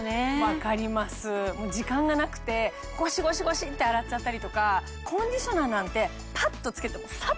分かります時間がなくてゴシゴシゴシって洗っちゃったりとかコンディショナーなんてパッとつけてサッと流しちゃいますからね。